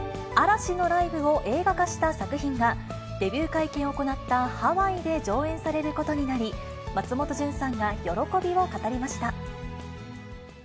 嵐のライブを映画化した作品が、デビュー会見を行ったハワイで上映されることになり、松本潤さんが喜びを語りました。